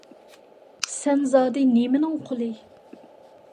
سەن زادى نېمىنىڭ قۇلى؟